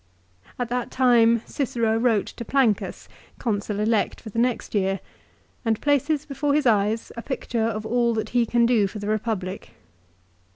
At that time Cicero wrote to Plancus, Consul elect for the next year, and places before his eyes a picture of all that he can do for the Eepublic.